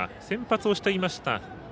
先発をしていました